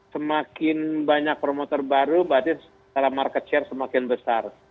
semakin banyak promotor baru berarti secara market share semakin besar